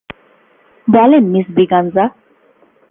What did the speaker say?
বলেন মিস ব্রিগাঞ্জা।